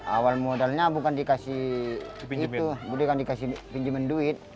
awal modalnya bukan dikasih pinjaman duit